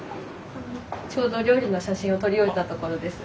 ちょうど料理の写真を撮り終えたところです。